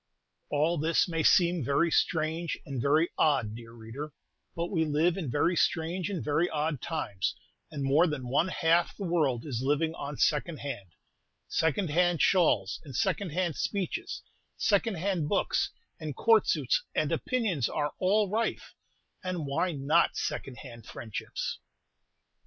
All this may seem very strange and very odd, dear reader; but we live in very strange and very odd times, and more than one half the world is only living on "second hand," second hand shawls and second hand speeches, second hand books, and Court suits and opinions are all rife; and why not second hand friendships?